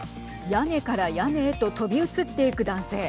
屋根から屋根へと飛び移っていく男性。